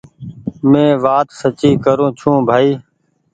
مينٚ وآت سچي ڪرون ڇوٚنٚ بآئي